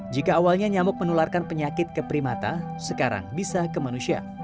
jika awalnya nyamuk menularkan penyakit ke primata sekarang bisa ke manusia